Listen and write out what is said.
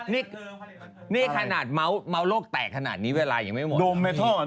นี่ขนาดเมาโลกแตกขนาดนี้เวลายังไม่หมด